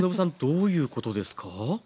どういうことですか？